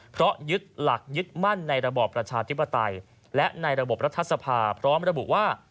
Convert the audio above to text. เพราะยึดหลักยึดมั่นในระบอบประชาธิปไตยและในระบบรัฐสภาพร้อมระบุว่า